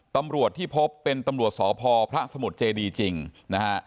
ตำรวจที่พบเป็นตำรวจสพพระสมุทรเจดีจริงนะฮะ